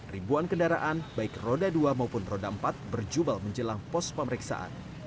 ribuan kendaraan baik roda dua maupun roda empat berjubel menjelang pos pemeriksaan